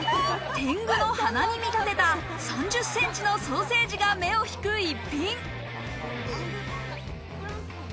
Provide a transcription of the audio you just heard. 天狗の鼻に見立てた３０ｃｍのソーセージが目を引く一品。